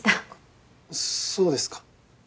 そうですか。